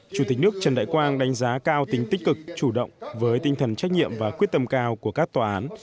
chủ tịch nước trần đại quang đánh giá cao tính tích cực chủ động với tinh thần trách nhiệm và quyết tâm cao của các tòa án